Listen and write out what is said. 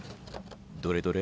どれどれ？